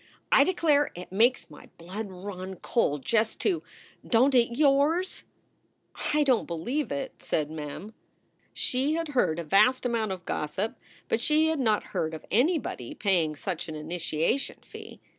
"I declare it makes my blood run cold just to Don t it yours?" "I don t believe it," said Mem. She had heard a vast amount of gossip, but she had not heard of anybody paying such an initiation fee.